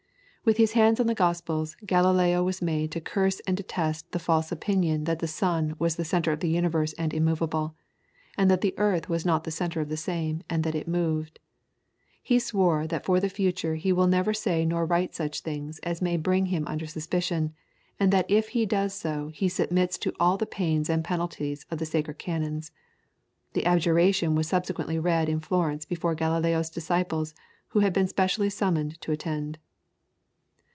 With his hands on the Gospels, Galileo was made to curse and detest the false opinion that the sun was the centre of the universe and immovable, and that the earth was not the centre of the same, and that it moved. He swore that for the future he will never say nor write such things as may bring him under suspicion, and that if he does so he submits to all the pains and penalties of the sacred canons. This abjuration was subsequently read in Florence before Galileo's disciples, who had been specially summoned to attend.